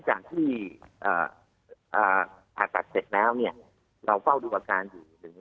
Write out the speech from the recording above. หากอาจารย์เสร็จแล้วเราเป้ารูปาการอยู่๑๒อาทิตย์